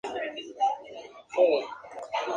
Gatito da a Tina su baile de gala y juntos a limpiar.